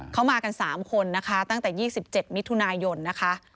เขามากัน๓คนนะคะตั้งแต่๒๗มิถุนายนนะคะ